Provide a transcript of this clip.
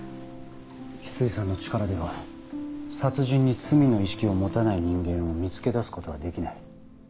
翡翠さんの力では殺人に罪の意識を持たない人間を見つけ出すことはできない。